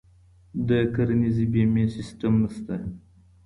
د کرنیزې بیمې سیستم نشته.